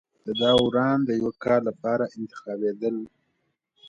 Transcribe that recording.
دا داوران د یوه کال لپاره انتخابېدل